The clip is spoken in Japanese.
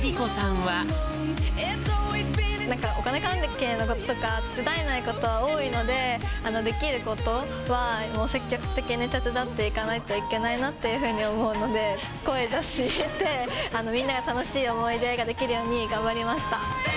なんか、お金関係のこととか、手伝えないことが多いので、できることは積極的に手伝っていかないといけないなっていうふうに思うので、声出して、みんなに楽しい思い出が出来るように頑張りました。